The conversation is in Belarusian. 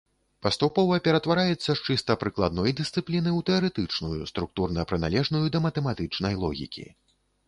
Паступова ператвараецца з чыста прыкладной дысцыпліны ў тэарэтычную, структурна прыналежную да матэматычнай логікі.